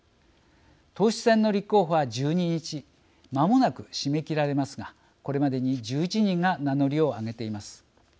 党首選の立候補は１２日まもなく締め切られますがこれまでに１１人が名乗りを上げています。